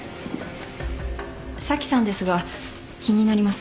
紗季さんですが気になります。